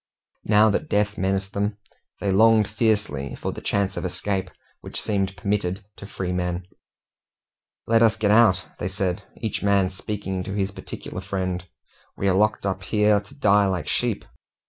Now that death menaced them, they longed fiercely for the chance of escape which seemed permitted to freemen. "Let us get out!" they said, each man speaking to his particular friend. "We are locked up here to die like sheep."